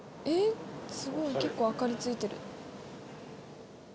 えっすごい結構灯りついてる。